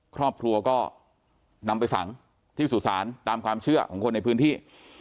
ครอบครัวก็นำไปฝังที่สุสานตามความเชื่อของคนในพื้นที่